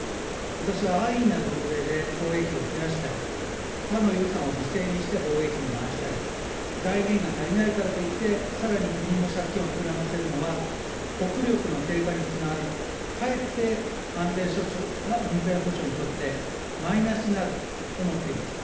私は安易な増税で防衛費を増やしたり、他の予算を犠牲にして防衛費に回したり、財源が足りないからといって、さらに国の借金を膨らませるのは、国力の低下につながる、かえって安全保障にとってマイナスになると思っています。